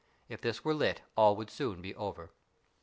If this were lit all would soon be over.